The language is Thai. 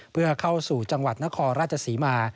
เพื่อเข้าสู่จังหวัดนครราชศรีมา